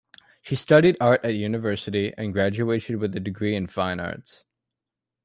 She studied art at university and graduated with a degree in Fine Arts.